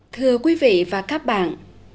thưa quý vị và các bạn